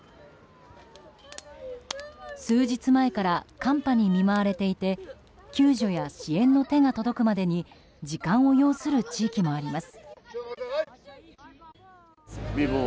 数日前から寒波に見舞われていて救助や支援の手が届くまでに時間を要する地域もあります。